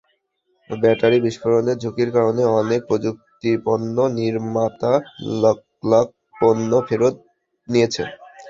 Battery বিস্ফোরণের ঝুঁকির কারণে অনেক প্রযুক্তিপণ্য নির্মাতা লাখ লাখ পণ্য ফেরত নিয়েছে।